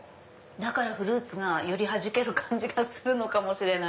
だからフルーツがよりはじける感じがするのかも。